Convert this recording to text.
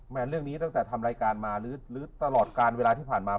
เรื่องนี้ตั้งแต่ทำรายการมาหรือตลอดการเวลาที่ผ่านมา